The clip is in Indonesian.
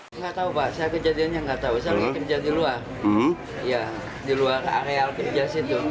saya kejadian yang tidak tahu saya bekerja di luar di luar area kerja